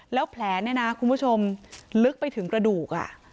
แล้วแผลเนี่ยนะคุณผู้ชมลึกไปถึงกระดูก